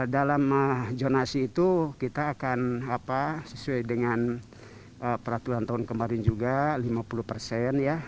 dalam zonasi itu kita akan sesuai dengan peraturan tahun kemarin juga lima puluh persen